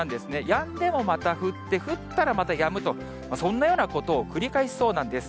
やんでもまた降って、降ったらまたやむと、そんなことを繰り返しそうなんです。